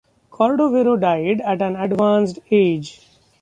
Cordovero died at an advanced age.